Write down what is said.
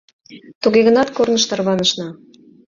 Туге гынат корныш тарванышна.